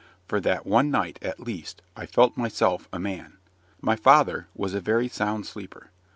For that one night, at least, I felt myself a man. My father was a very sound sleeper.